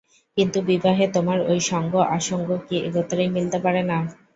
কিন্তু বিবাহে তোমার ঐ সঙ্গ-আসঙ্গ কি একত্রেই মিলতে পারে না।